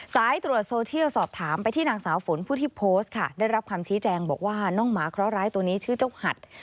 สายตรวจโซเชียลสอบถามไปที่นางสาวฝนผู้ที่โพสต์ค่ะได้รับคำชี้แจงบอกว่าน้องหมาเคราะหร้ายตัวนี้ชื่อเจ้าหัด